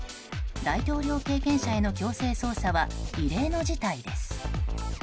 大統領経験者への強制捜査は異例の事態です。